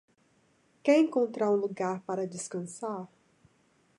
Quer encontrar um lugar para descansar